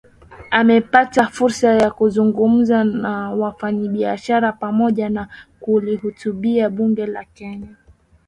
Amepata fursa ya kuzungumza na wafanyabiashara pamoja na kulihutubia Bunge la Kenya